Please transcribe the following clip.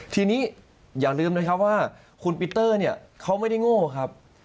ทีนี้อย่าลืมนะครับว่าคุณปีเตอร์เนี่ยเขาไม่ได้โง่ครับ